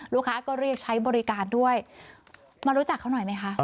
ลูกค้าก็เรียกใช้บริการด้วยมารู้จักเขาหน่อยไหมคะ